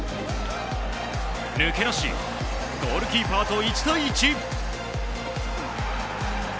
抜け出し、ゴールキーパーと１対１。